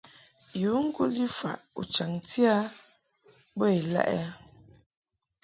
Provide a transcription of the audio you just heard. Yu ŋguli faʼ u chaŋti a bə ilaʼ ɛ ?